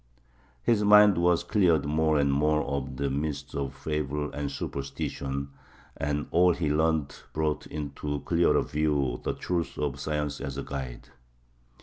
His mind was cleared more and more of the mists of fable and superstition, and all he learned brought into clearer view the truth of science as a guide.